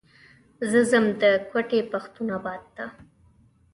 زه ځم د کوتي پښتون اباد ته.